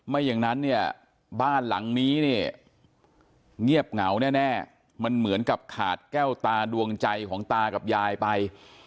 ไม่อย่างนั้นเนี่ยบ้านหลังนี้เนี่ยเงียบเหงาแน่มันเหมือนกับขาดแก้วตาดวงใจของตากับยายไป